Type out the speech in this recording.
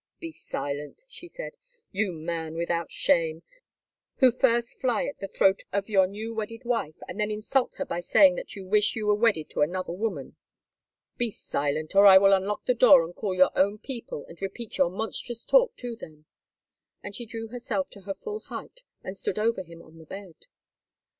"Be silent," she said, "you man without shame, who first fly at the throat of your new wedded wife and then insult her by saying that you wish you were wedded to another woman. Be silent, or I will unlock the door and call your own people and repeat your monstrous talk to them." And she drew herself to her full height and stood over him on the bed.